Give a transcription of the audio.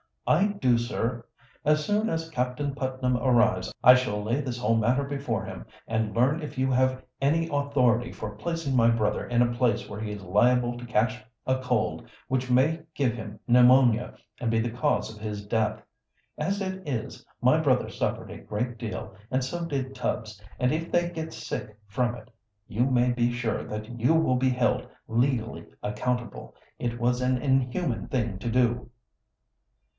"I do, sir. As soon as Captain Putnam arrives I shall lay this whole matter before him, and learn if you have any authority for placing my brother in a place where he is liable to catch a cold which may give him pneumonia and be the cause of his death. As it is, my brother suffered a great deal, and so did Tubbs, and if they get sick from it you may be sure that you will be held legally accountable. It was an inhuman thing to do."